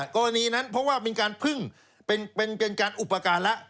กรณีนั้นเพราะว่าเป็นการพึ่งเป็นการอุปการณ์แล้ว